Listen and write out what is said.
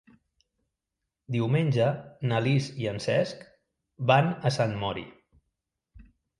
Diumenge na Lis i en Cesc van a Sant Mori.